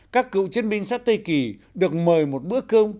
các cựu chiến binh xã tây kỳ được mời một bữa cơm